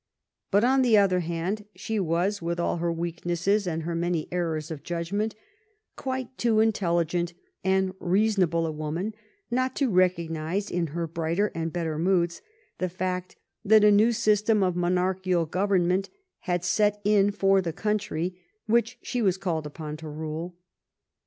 But, on the other hand, she was, with all her weak nesses and her many errors of judgment, quite too in telligent and reasonable a woman not to recognize, in her brighter and better moods, the fact that a new system of monarchical government had set in for the country which she was called upon to rule.